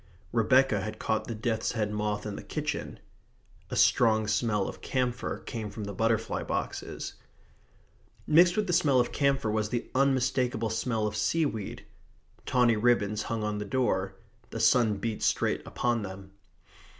Rebecca had caught the death's head moth in the kitchen. A strong smell of camphor came from the butterfly boxes. Mixed with the smell of camphor was the unmistakable smell of seaweed. Tawny ribbons hung on the door. The sun beat straight upon them.